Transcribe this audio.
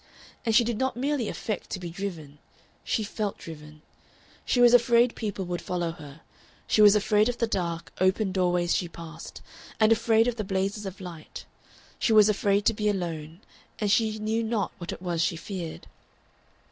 And she did not merely affect to be driven she felt driven. She was afraid people would follow her, she was afraid of the dark, open doorways she passed, and afraid of the blazes of light; she was afraid to be alone, and she knew not what it was she feared.